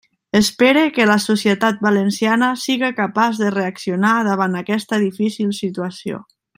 Espere que la societat valenciana siga capaç de reaccionar davant aquesta difícil situació.